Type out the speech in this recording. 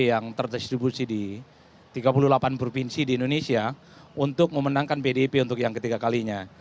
yang terdistribusi di tiga puluh delapan provinsi di indonesia untuk memenangkan pdip untuk yang ketiga kalinya